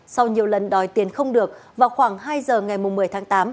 sau nhiều lần đòi tiền không được vào khoảng hai giờ ngày một mươi tháng tám